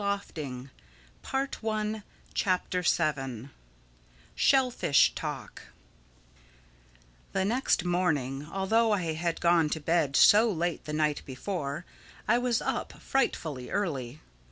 THE SEVENTH CHAPTER SHELLFISH TALK THE next morning, although I had gone to bed so late the night before, I was up frightfully early.